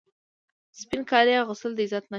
سپین کالي اغوستل د عزت نښه ده.